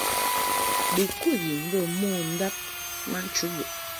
Bi kud yin bɛ mo ndab ma nchubuʼ.